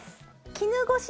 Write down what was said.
絹ごし